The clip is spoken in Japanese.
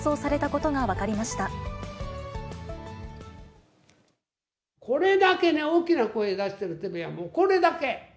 これだけ大きな声出してるテレビは、もうこれだけ。